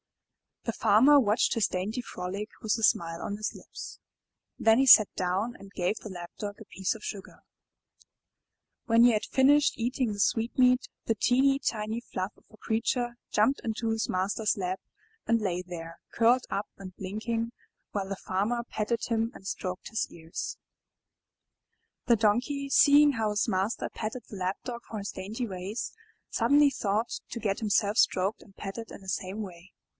The Farmer watched his dainty frolic with a smile on his lips. Then he sat down and gave the Lap dog a piece of sugar. When he had finished eating the sweetmeat, the teeny, tiny fluff of a creature jumped into his master's lap and lay there, curled up and blinking, while the Farmer petted him and stroked his ears. Ill MY BOOK HOUSE The Donkey, seeing how his master petted the Lap dog for his dainty ways, suddenly thought to get himself stroked and petted in the same way.